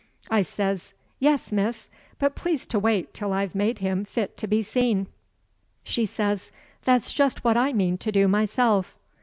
I says: 'Yes, miss, but please to wait till I've made him fit to be seen.' She says: 'That's just what I mean to do myself.